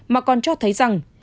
mà còn cho thấy rằng